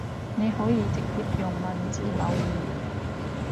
你可以直接用文字留言